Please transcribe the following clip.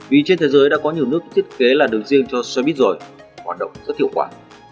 vì trên thế giới đã có nhiều nước thiết kế làn đường riêng cho xe buýt rồi hoạt động rất hiệu quả